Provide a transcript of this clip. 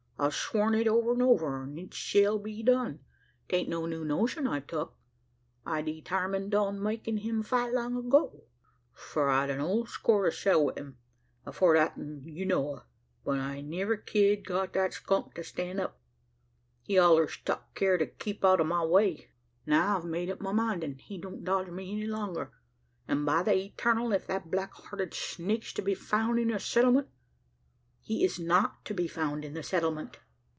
I've sworn it over an' over, an' it shell be done. 'Taint no new notion I've tuk. I'd detarmined on makin' him fight long ago: for I'd an old score to settle wi' him, afore that 'un you know o'; but I niver ked got the skunk to stan' up. He allers tuk care to keep out o' my way. Now I've made up my mind he don't dodge me any longer; an', by the Etarnal! if that black hearted snake's to be foun' in the settlement " "He is not to be found in the settlement."